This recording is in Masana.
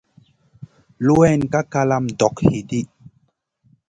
Luwayn ka kalama dog hidi.